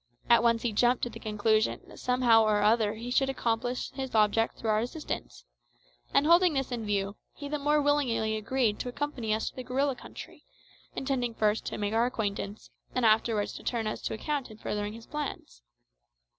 At once he jumped to the conclusion that somehow or other he should accomplish his object through our assistance; and holding this in view, he the more willingly agreed to accompany us to the gorilla country, intending first to make our acquaintance, and afterwards to turn us to account in furthering his plans.